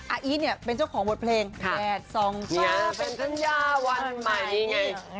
อาอีทเป็นเจ้าของบทเพลง๑๒๓เป็นสัญญาวันใหม่